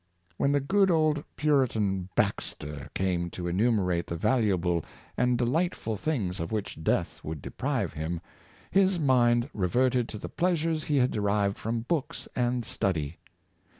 When the good old Puritan Baxter came to enumer ate the valuable and delightful things of which death would deprive him, his mind reverted to the pleasures he had derived from books and study.